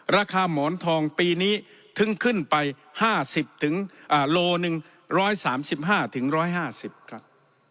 หมอนทองปีนี้ถึงขึ้นไป๕๐โลหนึ่ง๑๓๕๑๕๐ครับ